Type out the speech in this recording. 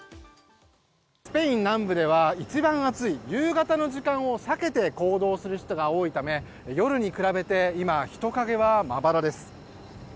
スペイン南部では一番暑い夕方の時間帯を避けて行動する人が多いため夜に比べて今、人影はまばらです。